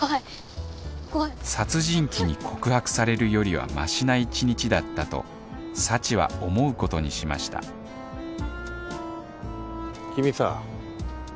殺人鬼に告白されるよりはマシな１日だったと幸は思うことにしました君さ。